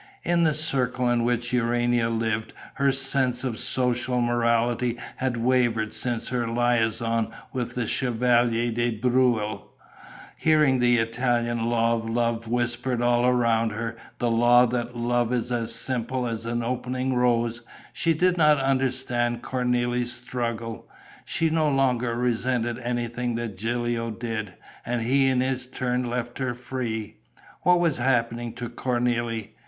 In the circle in which Urania lived, her sense of social morality had wavered since her liaison with the Chevalier de Breuil. Hearing the Italian law of love whispered all around her, the law that love is as simple as an opening rose, she did not understand Cornélie's struggle. She no longer resented anything that Gilio did; and he in his turn left her free. What was happening to Cornélie?